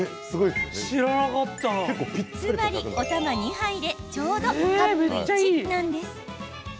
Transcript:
つまり、おたま２杯でちょうどカップ１なんです。